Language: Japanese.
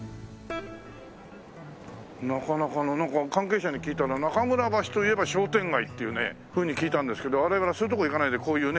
なかなかのなんか関係者に聞いたら中村橋といえば商店街っていうふうに聞いたんですけど我々はそういうとこ行かないでこういうね